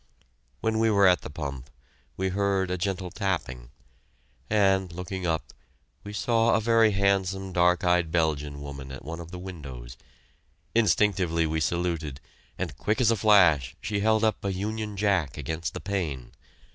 When we were at the pump, we heard a gentle tapping, and, looking up, we saw a very handsome dark eyed Belgian woman at one of the windows. Instinctively we saluted, and quick as a flash she held a Union Jack against the pane!